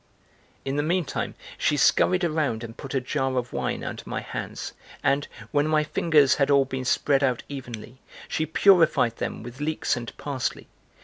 In the meantime, she scurried around and put a jar of wine under my hands and, when my fingers had all been spread out evenly, she purified them with leeks and parsley.